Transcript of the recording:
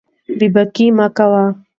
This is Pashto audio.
بې باکي مه کوئ.